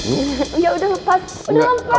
iya udah pas udah lempar